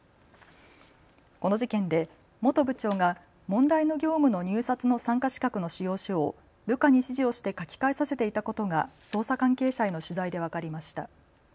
この事件で元部長が問題の業務の入札の参加資格の仕様書を部下に指示をして書き換えさせていたことが捜査関係者への取材で分かりました。